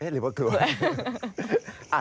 หรือว่ากลัว